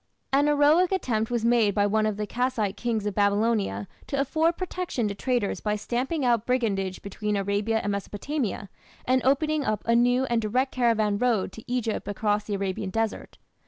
An heroic attempt was made by one of the Kassite kings of Babylonia to afford protection to traders by stamping out brigandage between Arabia and Mesopotamia, and opening up a new and direct caravan road to Egypt across the Arabian desert.